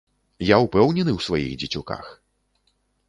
Я ўпэўнены ў сваіх дзецюках.